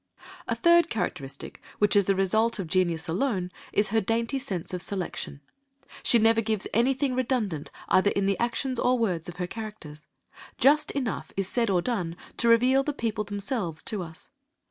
A third characteristic, which is the result of genius alone, is her dainty sense of selection. She never gives anything redundant either in the actions or words of her characters, just enough is said or done to reveal the people themselves to us.